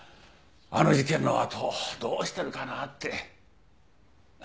あの事件のあとどうしてるかなって。